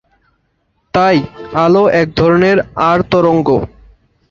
তাই, আলো এক ধরনের আড় তরঙ্গ।